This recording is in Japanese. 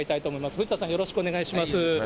藤田さん、よろしくお願いいたします。